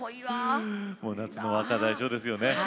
もう夏の若大将ですよね。